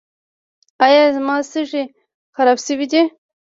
ایا زما سږي خراب شوي دي؟